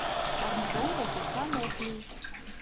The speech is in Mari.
Кармывоҥго шукшан ок лий!